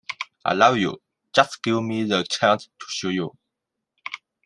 I love you, just give me the chance to show you.